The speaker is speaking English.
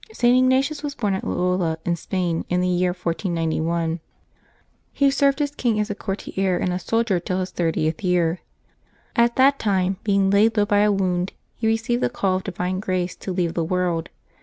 @T. Ignatius was born at Loj^ola in Spain, in the year 1491. He served his king as a courtier and a sol dier till his thirtieth year. At that age, being laid low by a wound, he received the call of divine grace to leave the world.